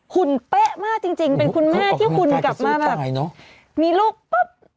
คุณเป๊ะมากจริงเป็นคุณแม่ที่หุ่นกลับมาแบบมีลูกปุ๊บ